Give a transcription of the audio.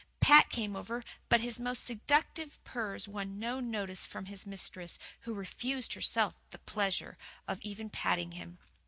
Pat came over, but his most seductive purrs won no notice from his mistress, who refused herself the pleasure of even patting him.